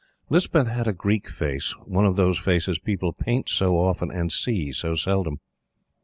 Lispeth had a Greek face one of those faces people paint so often, and see so seldom.